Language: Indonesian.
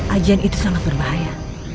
ajan itu sangat berbahaya